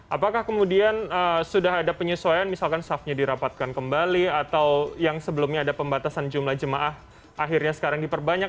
apakah kemudian sudah ada penyesuaian misalkan staffnya dirapatkan kembali atau yang sebelumnya ada pembatasan jumlah jemaah akhirnya sekarang diperbanyak